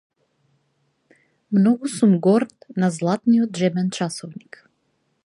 Многу сум горд на златниот џебен часовник.